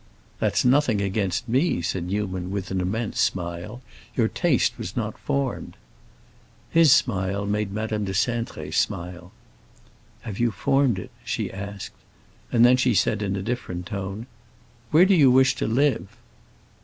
"That's nothing against me," said Newman with an immense smile; "your taste was not formed." His smile made Madame de Cintré smile. "Have you formed it?" she asked. And then she said, in a different tone, "Where do you wish to live?"